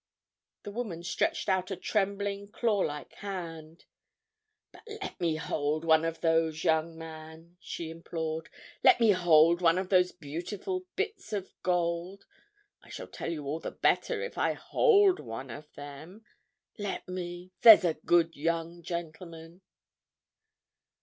The woman stretched out a trembling, claw like hand. "But let me hold one of those, young man!" she implored. "Let me hold one of the beautiful bits of gold. I shall tell you all the better if I hold one of them. Let me—there's a good young gentleman."